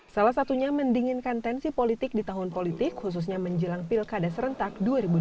salah satunya mendinginkan tensi politik di tahun politik khususnya menjelang pilkada serentak dua ribu dua puluh